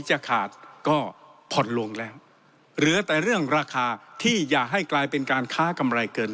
จะขาดก็ผ่อนลงแล้วเหลือแต่เรื่องราคาที่อย่าให้กลายเป็นการค้ากำไรเกิน